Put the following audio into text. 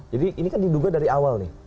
jadi ini kan diduga dari awal nih